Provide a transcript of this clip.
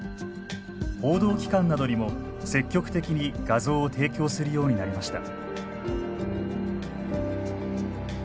報道機関などにも積極的に画像を提供するようになりました。